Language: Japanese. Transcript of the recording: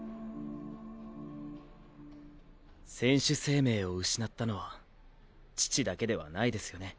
選手生命を失ったのは父だけではないですよね？